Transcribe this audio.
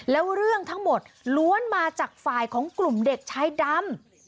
แล้วเรื่องทั้งหมดล้วนมาจากฝ่ายของกลุ่มเด็กชายดำ